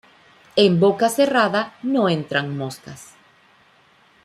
En boca cerrada no entran moscas